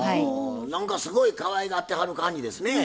何かすごいかわいがってはる感じですねぇ。